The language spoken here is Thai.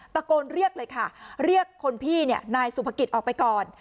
ตะโกนเรียกเลยค่ะเรียกคนพี่เนี่ยนายสุภกิจออกไปก่อน